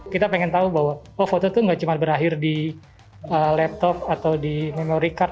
kita ingin tahu bahwa foto itu tidak hanya berakhir di laptop atau di memory card